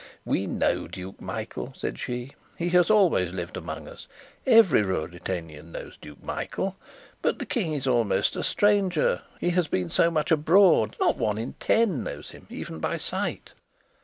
"We know Duke Michael," said she. "He has always lived among us; every Ruritanian knows Duke Michael. But the King is almost a stranger; he has been so much abroad, not one in ten knows him even by sight."